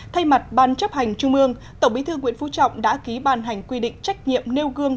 thay mặt ban chấp hành trung ương tổng bí thư nguyễn phú trọng đã ký ban hành quy định trách nhiệm nêu gương